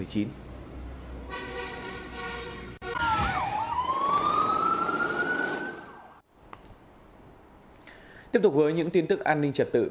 tiếp tục với những tin tức an ninh trật tự